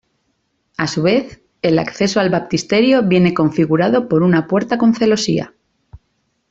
A su vez el acceso al baptisterio viene configurado por una puerta con celosía.